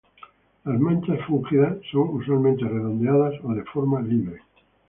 Las manchas fúngicas son usualmente redondeadas o de forma libre.